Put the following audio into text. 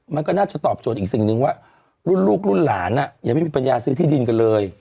มันก็น่าจะตอบโจทย์อีกสิ่งหนึ่งว่ารุ่นลูกรุ่นหลานยังไม่มีปัญญาซื้อที่ดินกันเลย